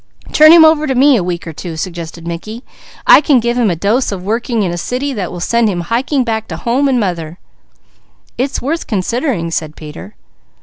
"Turn him over to me a week or two," suggested Mickey. "I can give him a dose of working in a city that will send him hiking back to home and father." "It's worth considering," said Peter.